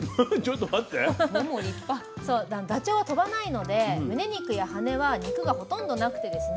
ダチョウは飛ばないのでむね肉や羽は肉がほとんどなくてですね